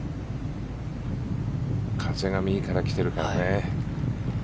風が右から来てるからね。